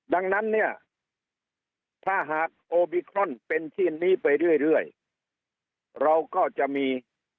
ดังนั้นเนี่ยถ้าหากโอมิครอนเป็นชิ้นนี้ไปเรื่อยเราก็จะมี